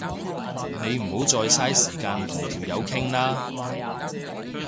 你唔好再嘥時間同條友傾啦